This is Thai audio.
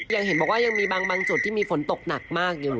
เห็นบอกว่ายังมีบางจุดที่มีฝนตกหนักมากอยู่